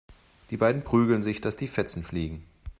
Die beiden prügeln sich, dass die Fetzen fliegen.